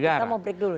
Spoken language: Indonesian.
kita mau break dulu nih